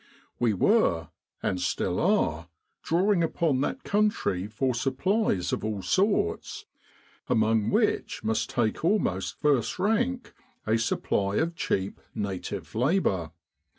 We were, and still are, drawing upon that country for supplies of all sorts, among which must take almost first rank a supply of cheap native labour.